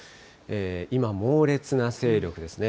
今猛烈な勢力ですね。